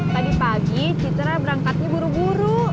tadi pagi citra berangkatnya buru buru